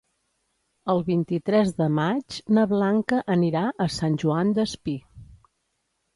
El vint-i-tres de maig na Blanca anirà a Sant Joan Despí.